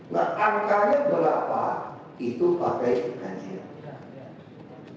nah angkanya berapa itu pakai kajian